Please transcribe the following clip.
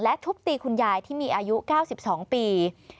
ทุบตีคุณยายที่มีอายุ๙๒ปี